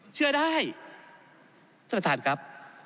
เชื่อได้ท่านประธานครับ